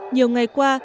nhiều ngày qua